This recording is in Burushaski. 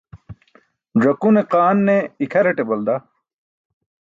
Ẓakune qaan ne ikʰaraṭe balda.